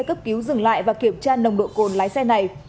đội cảnh sát giao thông đã dừng lại và kiểm tra nồng độ cồn lái xe này